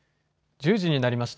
１０時になりました。